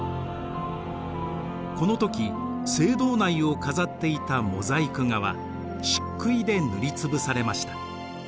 この時聖堂内を飾っていたモザイク画はしっくいで塗りつぶされました。